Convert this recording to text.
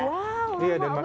wow lama banget